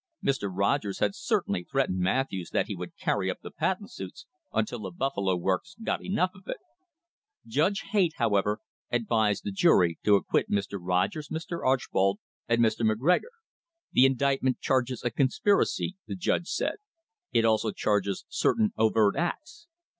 Mr. Rogers had certainly threatened Matthews that he would carry up the patent suits until the Buffalo Works got enough of it. Judge Haight, how ever, advised the jury to acquit Mr. Rogers, Mr. Archbold and Mr. McGregor. "The indictment charges a conspiracy," the judge said. "It also charges certain overt acts.